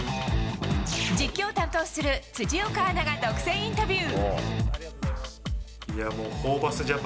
実況を担当する辻岡アナが独占インタビュー。